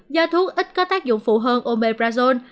do thuốc ít có tác dụng phụ hơn omeprazone